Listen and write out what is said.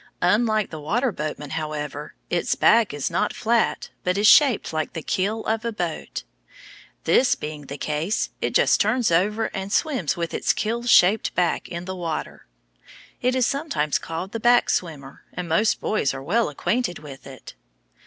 Unlike the water boatman, however, its back is not flat but is shaped like the keel of a boat. This being the case, it just turns over and swims with its keel shaped back in the water. It is sometimes called the back swimmer, and most boys are well acquainted with it.